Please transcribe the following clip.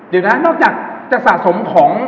เดี๋ยวนะนอกจากจะสะสมของ